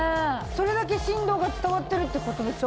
それだけ振動が伝わってるって事でしょ。